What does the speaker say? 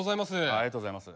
ありがとうございます。